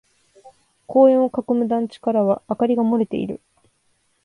公園を囲む団地からは明かりが漏れている。